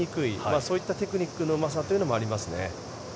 そういったテクニックのうまさというのもありますね。